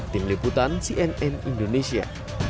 tim liputan cnn indonesia